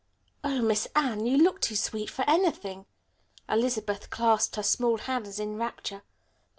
"Oh, Miss Anne, you look too sweet for anything." Elizabeth clasped her small hands in rapture.